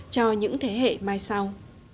cho những thế hệ mai sau